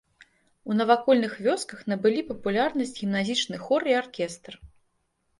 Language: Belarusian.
У навакольных вёсках набылі папулярнасць гімназічны хор і аркестр.